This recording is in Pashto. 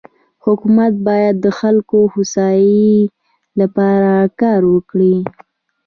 حکومت بايد د خلکو دهوسايي لپاره کار وکړي.